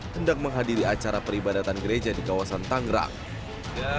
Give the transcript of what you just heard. hendak menghadiri acara peribadatan gereja di kawasan tangerang